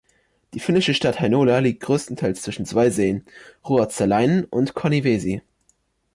Die finnische Stadt Heinola liegt größtenteils zwischen zwei Seen, Ruotsalainen und Konnivesi.